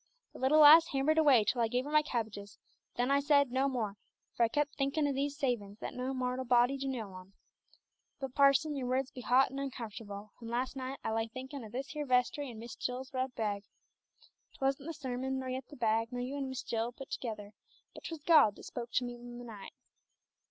The little lass hammered away till I gave her my cabbages, then I said 'No more,' for I kep' thinkin' o' these savin's, that no mortal body do know on. But, parson, your words be hot and uncomfortable, and las' night I lay thinkin' o' this here vestry an' Miss Jill's red bag. 'Twasn't the sermon, nor yet the bag, nor you and Miss Jill put together, but 'twas God that spoked to me in the night.